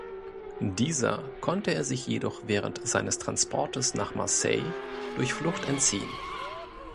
Dieser konnte er sich jedoch während seines Transportes nach Marseille durch Flucht entziehen.